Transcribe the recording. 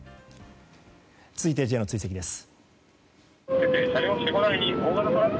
続いて、Ｊの追跡です。